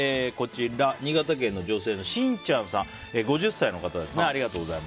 新潟県の女性、５０歳の方です。